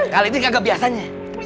kali ini kagak biasanya